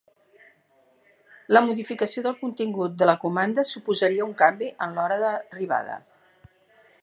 La modificació del contingut de la comanda suposaria un canvi en l'hora d'arribada.